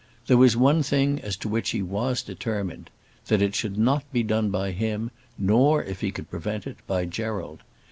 There was one thing as to which he was determined, that it should not be done by him, nor, if he could prevent it, by Gerald.